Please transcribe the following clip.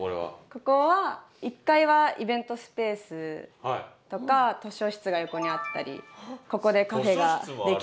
ここは１階はイベントスペースとか図書室が横にあったりここでカフェができたりします。